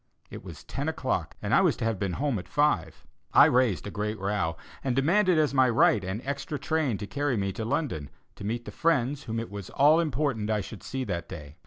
It was ten o'clock, and I was to have been home at five. I raised a great row, and demanded as my right an extra train to carry me to London, to meet the friends whom it was all important I should see that day.